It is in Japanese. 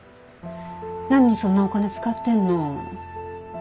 何にそんなお金使ってるの？